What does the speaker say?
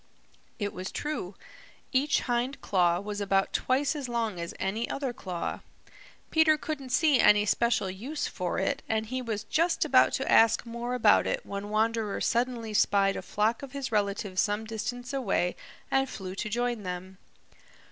It was true. Each hind claw was about twice as long as any other claw. Peter couldn't see any special use for it and he was just about to ask more about it when Wanderer suddenly spied a flock of his relatives some distance away and flew to join them.